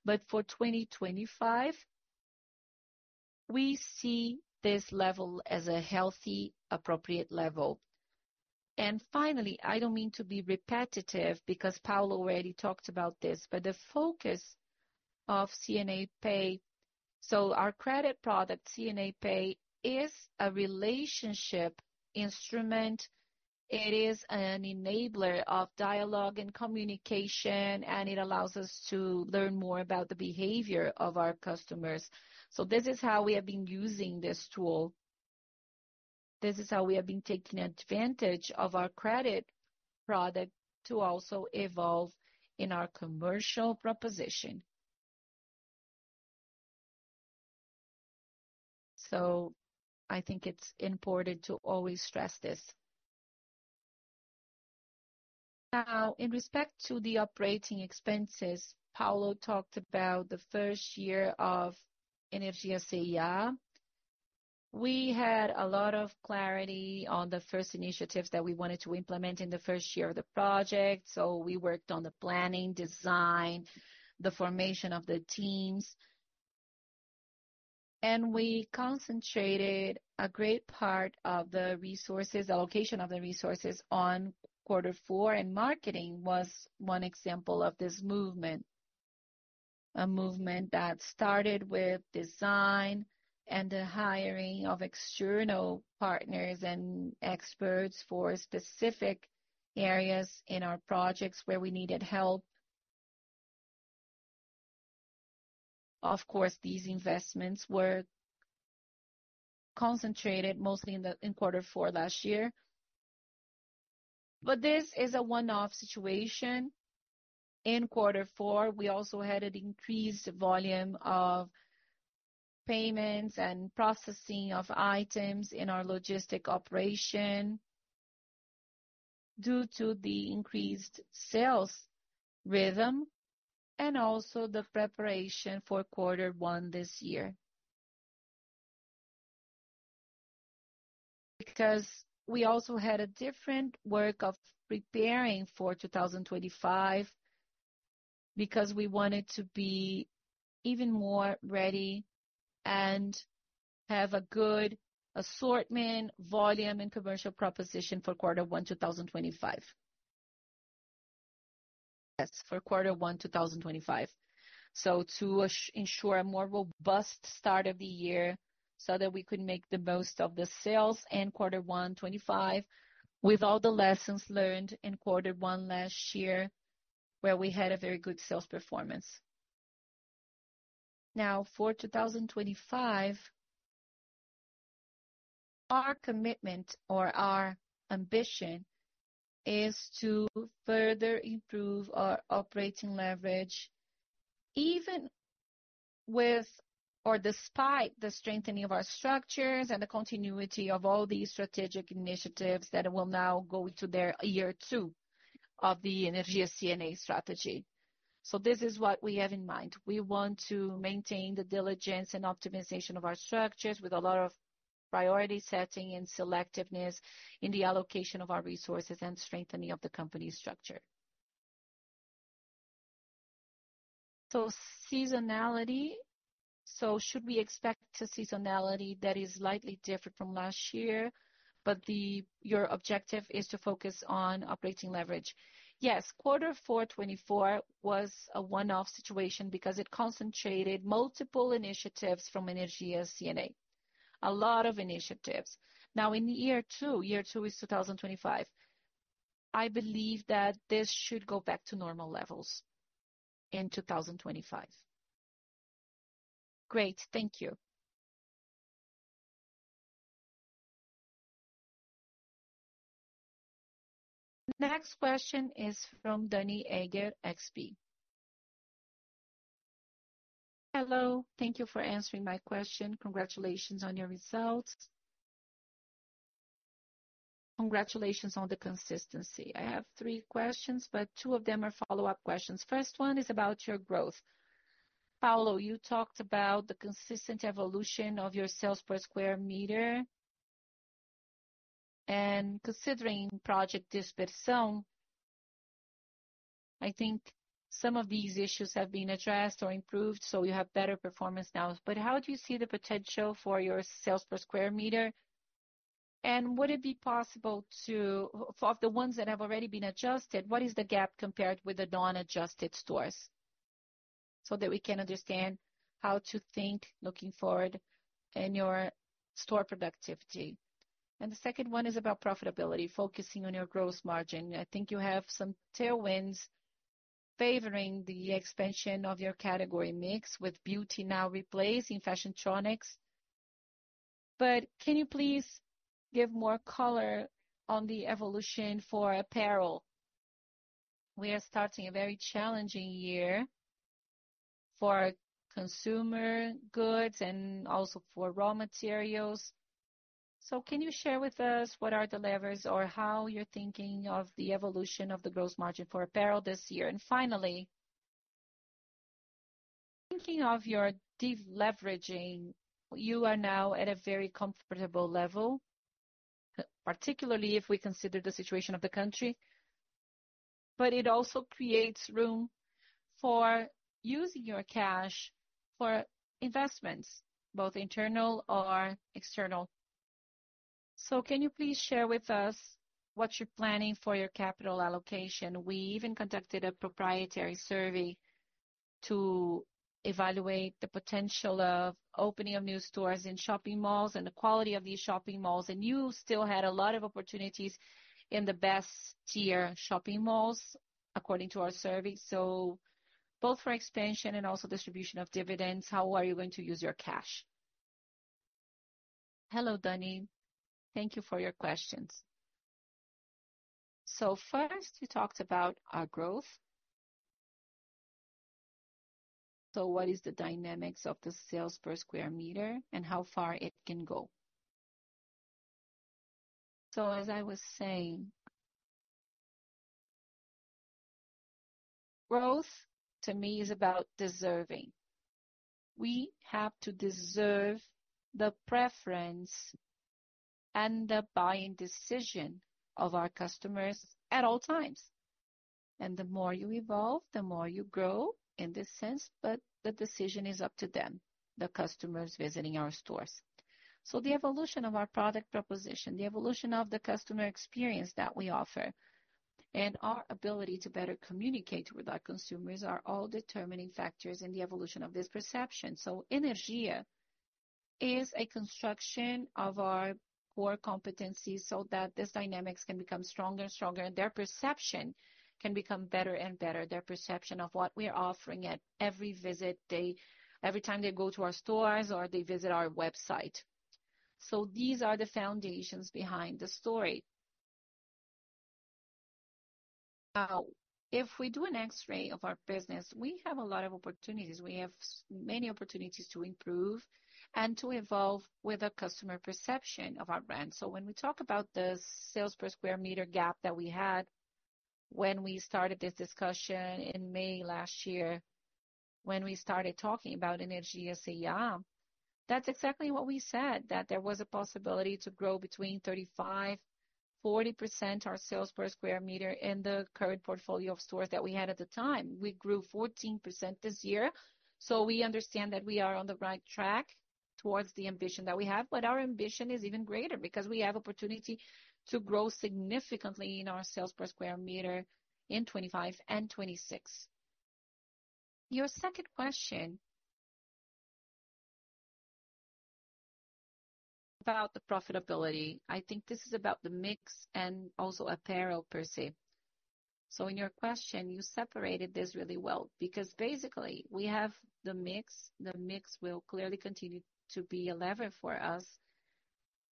[SPEAKER 3] But for 2025, we see this level as a healthy, appropriate level. And finally, I don't mean to be repetitive because Paulo already talked about this, but the focus of C&A Pay, so our credit product, C&A Pay, is a relationship instrument. It is an enabler of dialogue and communication, and it allows us to learn more about the behavior of our customers. So, this is how we have been using this tool. This is how we have been taking advantage of our credit product to also evolve in our commercial proposition. So, I think it's important to always stress this. Now, in respect to the operating expenses, Paulo talked about the first year of Energia C&A. We had a lot of clarity on the first initiatives that we wanted to implement in the first year of the project. So, we worked on the planning, design, the formation of the teams, and we concentrated a great part of the resources, allocation of the resources on quarter 4, and marketing was one example of this movement. A movement that started with design and the hiring of external partners and experts for specific areas in our projects where we needed help. Of course, these investments were concentrated mostly in quarter 4 last year. But this is a one-off situation. In quarter 4, we also had an increased volume of payments and processing of items in our logistics operation due to the increased sales rhythm and also the preparation for quarter 1 this year. Because we also had a different work of preparing for 2025, because we wanted to be even more ready and have a good assortment, volume, and commercial proposition for quarter 1, 2025. Yes, for quarter 1, 2025. So, to ensure a more robust start of the year so that we could make the most of the sales in quarter 1, 2025, with all the lessons learned in quarter 1 last year, where we had a very good sales performance. Now, for 2025, our commitment or our ambition is to further improve our operating leverage, even with or despite the strengthening of our structures and the continuity of all these strategic initiatives that will now go into their year two of the Energia C&A strategy. So, this is what we have in mind. We want to maintain the diligence and optimization of our structures with a lot of priority setting and selectiveness in the allocation of our resources and strengthening of the company structure. Seasonality. Should we expect a seasonality that is slightly different from last year, but your objective is to focus on operating leverage? Yes. quarter 4, 2024 was a one-off situation because it concentrated multiple initiatives from Energia C&A. A lot of initiatives. Now, in year two. Year two is 2025. I believe that this should go back to normal levels in 2025.
[SPEAKER 5] Great. Thank you.
[SPEAKER 1] Next question is from Danniela Eiger, XP.
[SPEAKER 6] Hello. Thank you for answering my question. Congratulations on your results. Congratulations on the consistency. I have three questions, but two of them are follow-up questions. First one is about your growth. Paulo, you talked about the consistent evolution of your sales per square meter. Considering Project Dispersion, I think some of these issues have been addressed or improved, so you have better performance now. How do you see the potential for your sales per square meter? Would it be possible to, of the ones that have already been adjusted, what is the gap compared with the non-adjusted stores? That we can understand how to think looking forward in your store productivity. The second one is about profitability, focusing on your gross margin. I think you have some tailwinds favoring the expansion of your category mix with beauty now replacing Fashiontronics. Can you please give more color on the evolution for Apparel? We are starting a very challenging year for consumer goods and also for raw materials. So, can you share with us what are the levers or how you're thinking of the evolution of the gross margin for Apparel this year? And finally, thinking of your deep leveraging, you are now at a very comfortable level, particularly if we consider the situation of the country. But it also creates room for using your cash for investments, both internal or external. So, can you please share with us what you're planning for your capital allocation? We even conducted a proprietary survey to evaluate the potential of opening of new stores in shopping malls and the quality of these shopping malls. And you still had a lot of opportunities in the best-tier shopping malls, according to our survey. So, both for expansion and also distribution of dividends, how are you going to use your cash?
[SPEAKER 2] Hello, Dani. Thank you for your questions. First, you talked about our growth. What is the dynamics of the sales per square meter and how far it can go? As I was saying, growth to me is about deserving. We have to deserve the preference and the buying decision of our customers at all times. The more you evolve, the more you grow in this sense, but the decision is up to them, the customers visiting our stores. The evolution of our product proposition, the evolution of the customer experience that we offer, and our ability to better communicate with our consumers are all determining factors in the evolution of this perception. Energia is a construction of our core competencies so that these dynamics can become stronger and stronger, and their perception can become better and better, their perception of what we are offering at every visit, every time they go to our stores or they visit our website. These are the foundations behind the story. Now, if we do an x-ray of our business, we have a lot of opportunities. We have many opportunities to improve and to evolve with a customer perception of our brand. When we talk about the sales per square meter gap that we had when we started this discussion in May last year, when we started talking about Energia C&A, that's exactly what we said, that there was a possibility to grow between 35%-40% our sales per square meter in the current portfolio of stores that we had at the time. We grew 14% this year, so we understand that we are on the right track towards the ambition that we have, but our ambition is even greater because we have opportunity to grow significantly in our sales per square meter in 2025 and 2026. Your second question about the profitability, I think this is about the mix and also Apparel per se, so in your question, you separated this really well because basically we have the mix. The mix will clearly continue to be a lever for us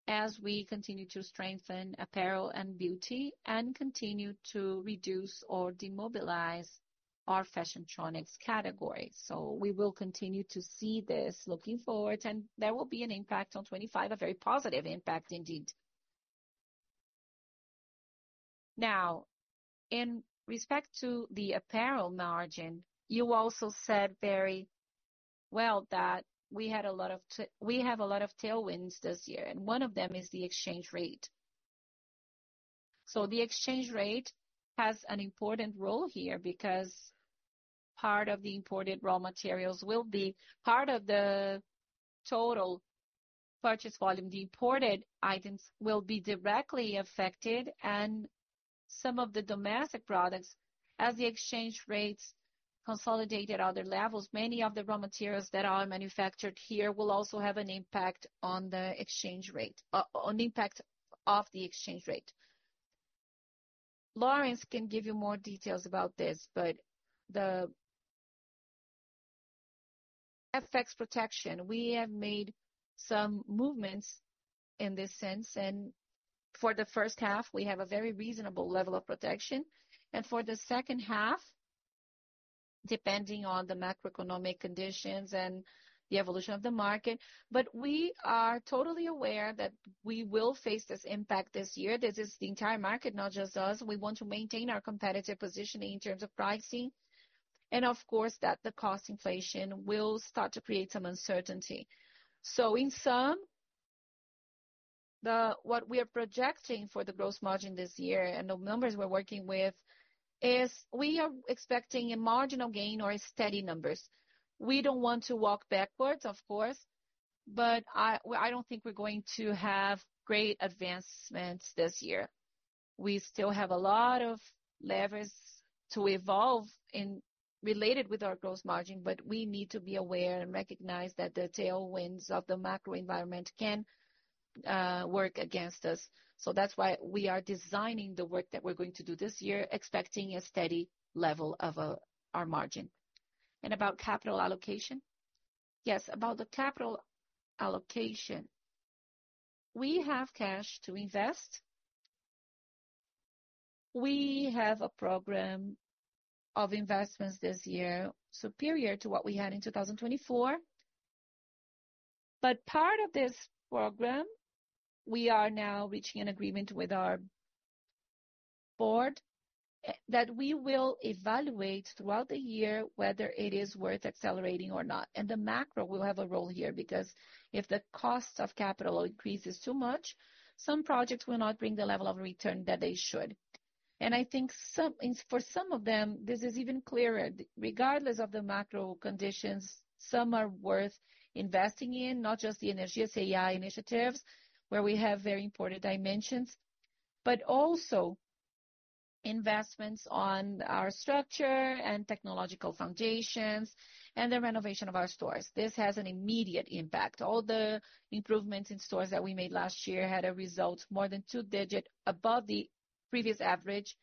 [SPEAKER 2] as we continue to strengthen Apparel and beauty and continue to reduce or demobilize our Fashiontronics category, so we will continue to see this looking forward, and there will be an impact on 2025, a very positive impact indeed. Now, in respect to the Apparel margin, you also said very well that we have a lot of tailwinds this year, and one of them is the exchange rate. So, the exchange rate has an important role here because part of the imported raw materials will be part of the total purchase volume. The imported items will be directly affected, and some of the domestic products, as the exchange rates consolidate at other levels, many of the raw materials that are manufactured here will also have an impact on the exchange rate, an impact of the exchange rate. Laurence can give you more details about this, but the FX protection, we have made some movements in this sense, and for the first half, we have a very reasonable level of protection. For the second half, depending on the macroeconomic conditions and the evolution of the market, but we are totally aware that we will face this impact this year. This is the entire market, not just us. We want to maintain our competitive positioning in terms of pricing, and of course, that the cost inflation will start to create some uncertainty. In sum, what we are projecting for the gross margin this year and the numbers we're working with is we are expecting a marginal gain or steady numbers. We don't want to walk backwards, of course, but I don't think we're going to have great advancements this year. We still have a lot of levers to evolve related with our gross margin, but we need to be aware and recognize that the tailwinds of the macro environment can work against us. So, that's why we are designing the work that we're going to do this year, expecting a steady level of our margin. And about capital allocation, yes, about the capital allocation, we have cash to invest. We have a program of investments this year superior to what we had in 2024. But part of this program, we are now reaching an agreement with our board that we will evaluate throughout the year whether it is worth accelerating or not. And the macro will have a role here because if the cost of capital increases too much, some projects will not bring the level of return that they should. And I think for some of them, this is even clearer. Regardless of the macro conditions, some are worth investing in, not just the Energia C&A initiatives where we have very important dimensions, but also investments on our structure and technological foundations and the renovation of our stores. This has an immediate impact. All the improvements in stores that we made last year had a result more than two-digit above the previous average.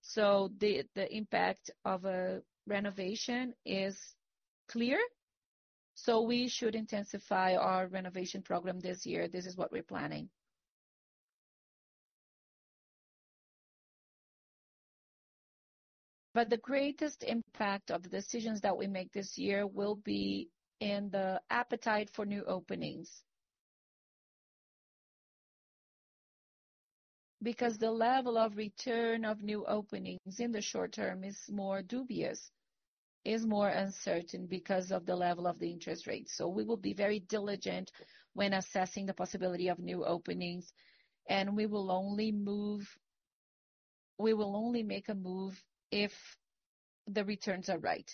[SPEAKER 2] So, the impact of a renovation is clear. So, we should intensify our renovation program this year. This is what we're planning. But the greatest impact of the decisions that we make this year will be in the appetite for new openings. Because the level of return of new openings in the short term is more dubious, is more uncertain because of the level of the interest rate. So, we will be very diligent when assessing the possibility of new openings, and we will only make a move if the returns are right.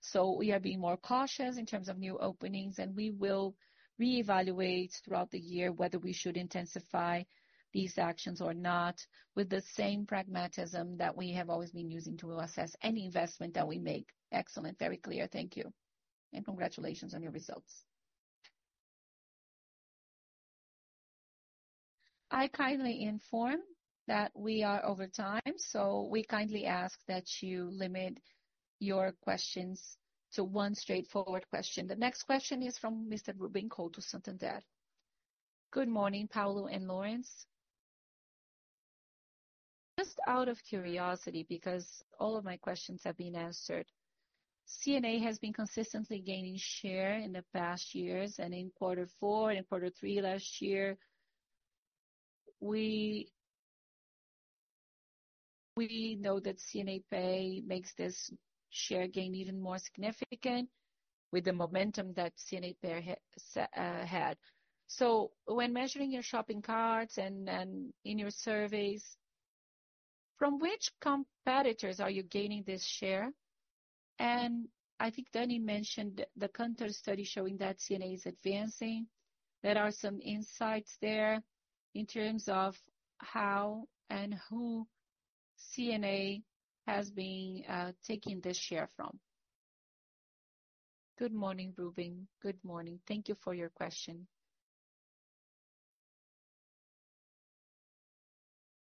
[SPEAKER 2] So, we are being more cautious in terms of new openings, and we will reevaluate throughout the year whether we should intensify these actions or not with the same pragmatism that we have always been using to assess any investment that we make.
[SPEAKER 6] Excellent. Very clear. Thank you. And congratulations on your results.
[SPEAKER 1] I kindly inform that we are over time, so we kindly ask that you limit your questions to one straightforward question. The next question is from Mr. Ruben Couto of Santander.
[SPEAKER 7] Good morning, Paulo and Laurence. Just out of curiosity, because all of my questions have been answered, C&A has been consistently gaining share in the past years, and in quarter four and quarter three last year, we know that C&A Pay makes this share gain even more significant with the momentum that C&A Pay had. So, when measuring your shopping carts and in your surveys, from which competitors are you gaining this share? And I think Dani mentioned the Kantar study showing that C&A is advancing. There are some insights there in terms of how and who C&A has been taking this share from.
[SPEAKER 2] Good morning, Ruben. Good morning. Thank you for your question.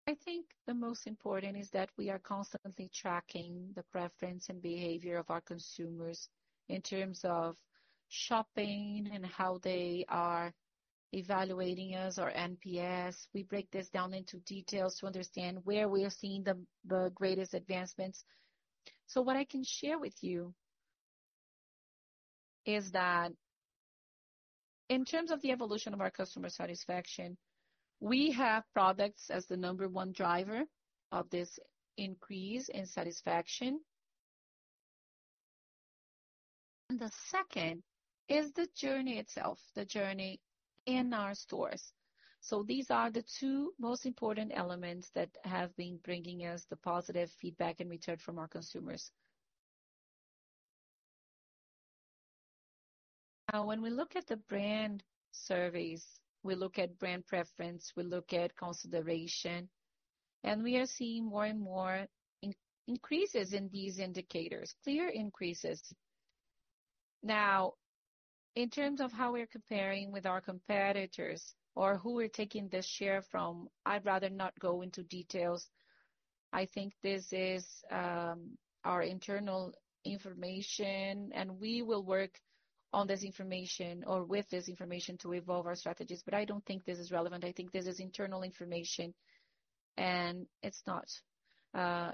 [SPEAKER 2] I think the most important is that we are constantly tracking the preference and behavior of our consumers in terms of shopping and how they are evaluating us or NPS. We break this down into details to understand where we are seeing the greatest advancements. So, what I can share with you is that in terms of the evolution of our customer satisfaction, we have products as the number one driver of this increase in satisfaction. And the second is the journey itself, the journey in our stores. So, these are the two most important elements that have been bringing us the positive feedback and return from our consumers. Now, when we look at the brand surveys, we look at brand preference, we look at consideration, and we are seeing more and more increases in these indicators, clear increases. Now, in terms of how we're comparing with our competitors or who we're taking this share from, I'd rather not go into details. I think this is our internal information, and we will work on this information or with this information to evolve our strategies, but I don't think this is relevant. I think this is internal information, and it's not.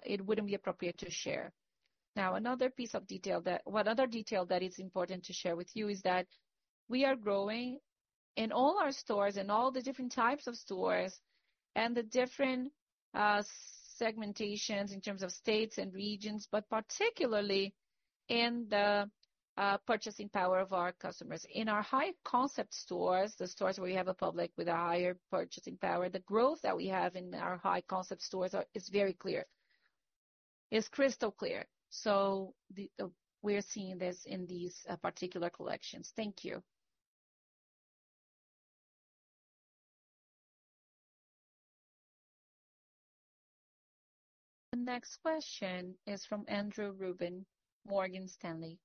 [SPEAKER 2] It wouldn't be appropriate to share. Now, another piece of detail that is important to share with you is that we are growing in all our stores and all the different types of stores and the different segmentations in terms of states and regions, but particularly in the purchasing power of our customers. In our high-concept stores, the stores where we have a public with a higher purchasing power, the growth that we have in our high-concept stores is very clear, is crystal clear. So, we're seeing this in these particular collections. Thank you.
[SPEAKER 1] The next question is from Andrew Ruben, Morgan Stanley.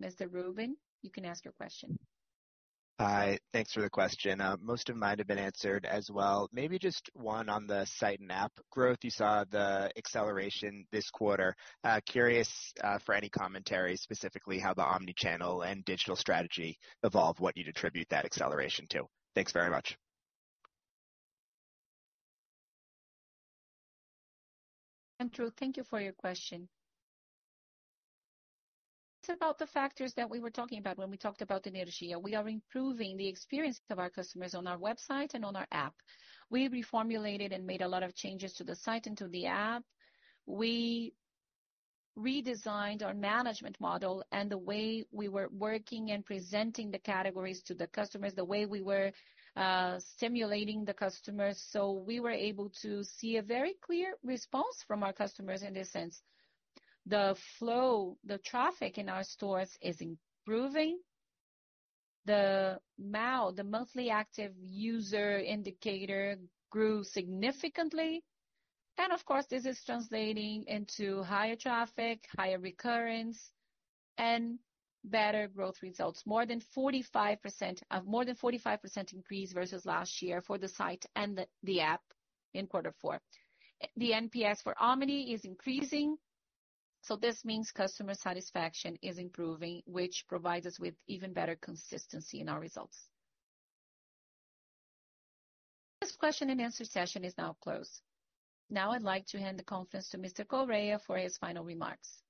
[SPEAKER 1] Mr. Ruben, you can ask your question.
[SPEAKER 8] Hi. Thanks for the question. Most of mine have been answered as well. Maybe just one on the site and app growth. You saw the acceleration this quarter. Curious for any commentary, specifically how the omnichannel and digital strategy evolve, what you'd attribute that acceleration to. Thanks very much.
[SPEAKER 2] Andrew, thank you for your question. It's about the factors that we were talking about when we talked about Energia. We are improving the experience of our customers on our website and on our app. We reformulated and made a lot of changes to the site and to the app. We redesigned our management model and the way we were working and presenting the categories to the customers, the way we were stimulating the customers. So, we were able to see a very clear response from our customers in this sense. The flow, the traffic in our stores is improving. The monthly active user indicator grew significantly, and of course, this is translating into higher traffic, higher recurrence, and better growth results. More than 45%, more than 45% increase versus last year for the site and the app in quarter four. The NPS for omni is increasing, so this means customer satisfaction is improving, which provides us with even better consistency in our results.
[SPEAKER 1] This question and answer session is now closed. Now, I'd like to hand the conference to Mr. Correa for his final remarks.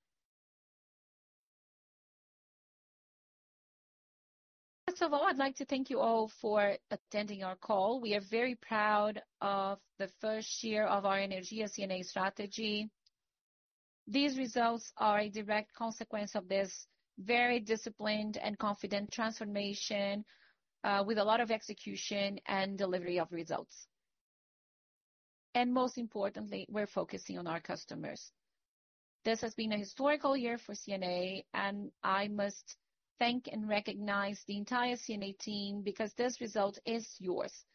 [SPEAKER 2] First of all, I'd like to thank you all for attending our call. We are very proud of the first year of our Energia C&A strategy. These results are a direct consequence of this very disciplined and confident transformation with a lot of execution and delivery of results. Most importantly, we're focusing on our customers. This has been a historical year for C&A, and I must thank and recognize the entire C&A team because this result is yours.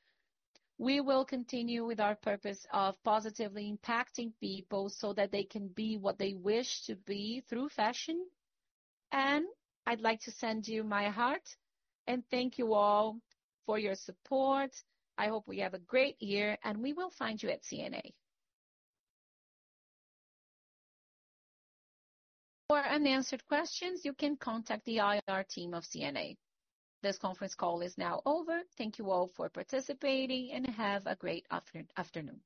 [SPEAKER 2] We will continue with our purpose of positively impacting people so that they can be what they wish to be through fashion. I'd like to send you my heart and thank you all for your support. I hope we have a great year, and we will find you at C&A. For unanswered questions, you can contact the IR team of C&A. This conference call is now over. Thank you all for participating, and have a great afternoon.